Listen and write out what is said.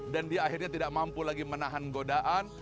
dan dia akhirnya tidak mampu lagi menahan godaan